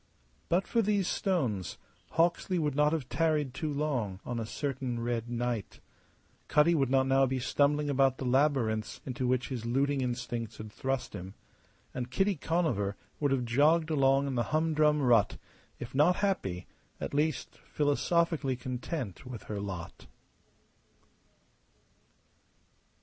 But for these stones Hawksley would not have tarried too long on a certain red night; Cutty would not now be stumbling about the labyrinths into which his looting instincts had thrust him; and Kitty Conover would have jogged along in the humdrum rut, if not happy at least philosophically content with her lot.